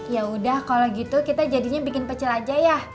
yaudah kalo gitu kita jadinya bikin pecel aja ya